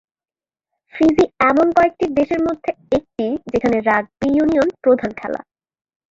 Fiji এমন কয়েকটি দেশের মধ্যে একটি যেখানে রাগবি ইউনিয়ন প্রধান খেলা।